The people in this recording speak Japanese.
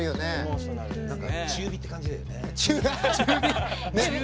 中火って感じだよね。